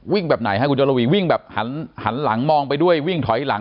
แบบไหนฮะคุณจรวีวิ่งแบบหันหลังมองไปด้วยวิ่งถอยหลัง